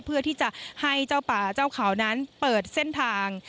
เพื่อที่จะให้เจ้าป่าเจ้าเขานั้นเปิดเส้นทาง